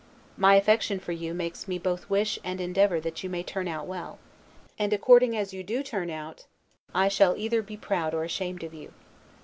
My affection for you makes me both wish and endeavor that you may turn out well; and, according as you do turn out, I shall either be proud or ashamed of you.